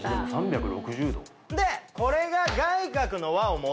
でこれが。